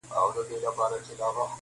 بدوي ټولنه توره څېره لري ډېر,